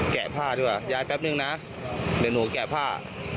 ผ้าด้วยยายแป๊บนึงนะเดี๋ยวหนูแกะผ้า